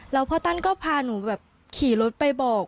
แล้วพ่อตั้นก็พาหนูแบบขี่รถไปบอก